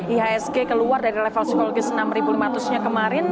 ihsg keluar dari level psikologis enam lima ratus nya kemarin